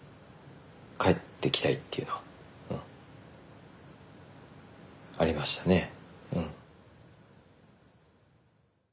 帰ってきたいっていうのはありましたね。